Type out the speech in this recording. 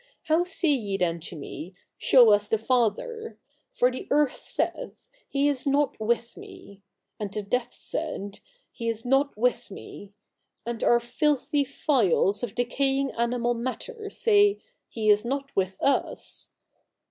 How say ye then to me, Show us the Father ? For the Earth saith. He is not with me ; and the depth saith. He is not with me ; and our filthy phials of decaying animal matter say, He is not with us.